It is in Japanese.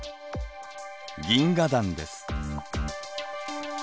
銀河団です。